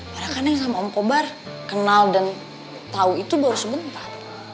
padahal neng sama om kobar kenal dan tau itu baru sebentar